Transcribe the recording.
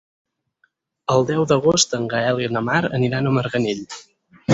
El deu d'agost en Gaël i na Mar aniran a Marganell.